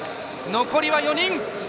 残りは４人。